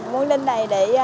muốn lên đây để